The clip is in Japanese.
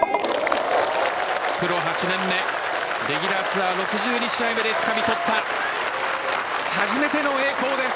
プロ８年目レギュラーツアー６２試合目でつかみ取った初めての栄光です。